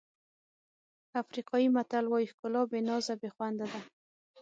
افریقایي متل وایي ښکلا بې نازه بې خونده ده.